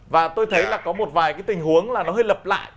và tôi thấy là có một vài cái tình huống là nó hơi lập lại